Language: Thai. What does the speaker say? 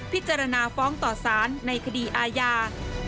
พิจารณาฟ้องต่อสารในคดีอาญา